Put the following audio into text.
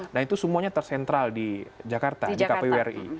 dan itu semuanya tersentral di jakarta di kpu ri